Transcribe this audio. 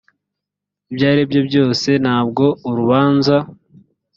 ibyo ari byo byose ntabwo urubanza